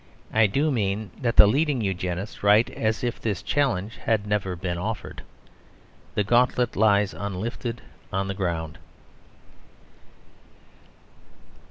I do mean that the leading Eugenists write as if this challenge had never been offered. The gauntlet lies unlifted on the ground.